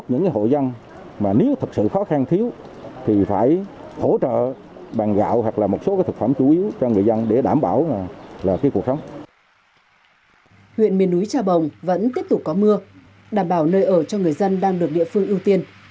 huyện miền núi trà bồng vẫn tiếp tục có mưa đảm bảo nơi ở cho người dân đang được địa phương ưu tiên